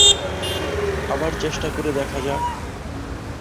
আবার চেষ্টা করে দেখা যাক?